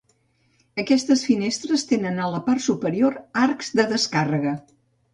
Aquestes finestres tenen a la part superior arcs de descàrrega.